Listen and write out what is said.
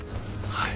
はい。